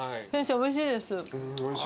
先生おいしいです。